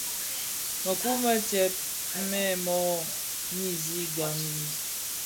Mëkuu më tsèb mèn mö nisi gaň bi.